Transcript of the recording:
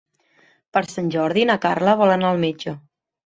Per Sant Jordi na Carla vol anar al metge.